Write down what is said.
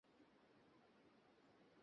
একটা বড় জার্মান উদ্যোগের প্রধান।